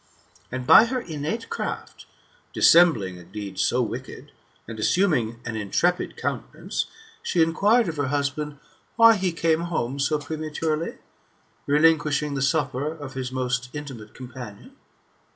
And, by her innate craft, dissembling a deed so wicked, and assuming an intrepid countenance, she inquired of her husband, Why he came home so prematurely, relinquishing the supper of his most intimate companion?